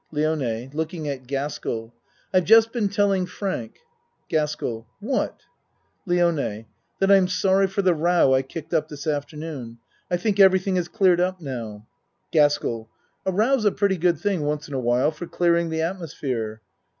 LIONE (Looking at Gaskell.) I've just been telling Frank GASKELL What ? LIONE That I'm sorry for the row I kicked up this afternoon. I think everything is cleared up now. GASKELL A row's a pretty good thing once in a while for clearing the atmosphere.